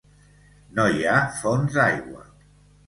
No hi ha fonts d'aigua.